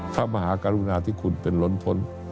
พระมหากรุณาที่คุณเป็นล้นพ้น